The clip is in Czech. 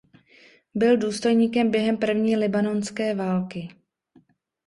Byl důstojníkem během první libanonské války.